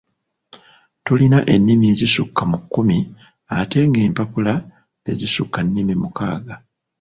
Tulina ennimi ezisukka mu kkumi ate ng'empapula tezisukka nnimi mukaaga.